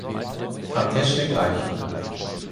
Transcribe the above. Tate’sche Gleichung